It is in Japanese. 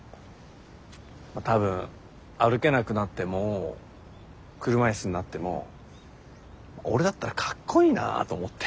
たぶん歩けなくなっても車いすになっても俺だったらかっこいいなと思って。